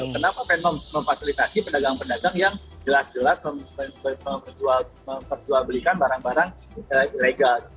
kenapa memfasilitasi penagang penagang yang jelas jelas memperjualbelikan barang barang ilegal